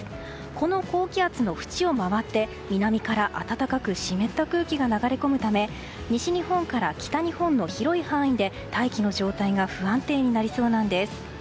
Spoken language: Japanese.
この高気圧の縁を回って南から暖かく湿った空気が流れ込むため西日本から北日本の広い範囲で大気の状態が不安定になりそうです。